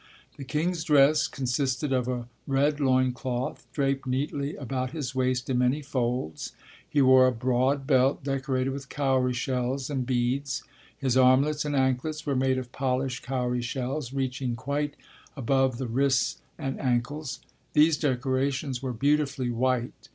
The king's dress consisted of a red loin cloth, draped neatly about his waist in many folds. He wore a broad belt decorated with cowrie shells and beads. His armlets and anklets were made of polished cowrie shells reaching quite above the wrists and ankles. These decorations were beautifully white.